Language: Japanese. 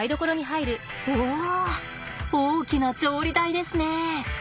お大きな調理台ですね。